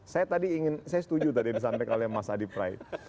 saya tadi ingin saya setuju tadi yang disampaikan oleh mas adi prait